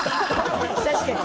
確かに。